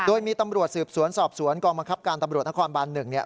โดยมีตำรวจสืบสวนสอบสวนกองบังคับการตำรวจนครบาน๑